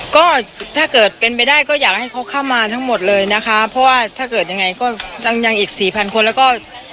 ก็ถ้าเกิดเป็นไปได้ก็อยากให้เขาเข้ามาทั้งหมดเลยนะคะเพราะว่าถ้าเกิดยังไงก็ยังยังอีกสี่พันคนแล้วก็